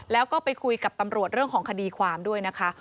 แล้วก็ไปคุยกับตำรวจเรื่องของคดีความด้วยนะคะ